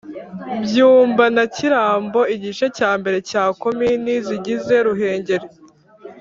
Byumba na Kirambo igice cyambere cya komini zigize Ruhengeri